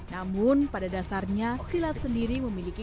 namun pada dasarnya silat sendiri memiliki